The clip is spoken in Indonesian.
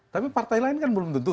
tapi partai lain kan belum tentu